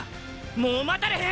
もう待たれへん！！